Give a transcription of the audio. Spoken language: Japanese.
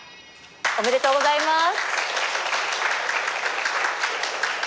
おめでとうございます。